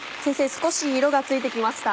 少し色がついて来ました。